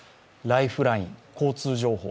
ライフライン、交通情報。